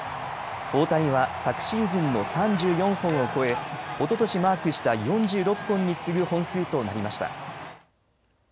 大谷は昨シーズンの３４本を超えおととしマークした４６本に次ぐ本数となりました。